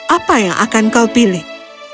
apa yang akan kau pilih